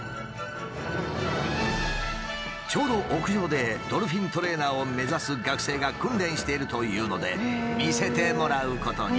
ちょうど屋上でドルフィントレーナーを目指す学生が訓練しているというので見せてもらうことに。